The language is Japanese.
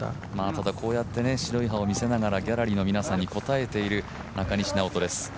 ただこうやって白い歯を見せながらギャラリーの皆さんに応えている中西直人です。